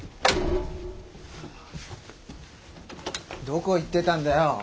どこ行ってたんだよ。